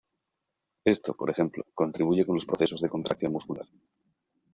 Esto, por ejemplo, contribuye con los procesos de contracción muscular.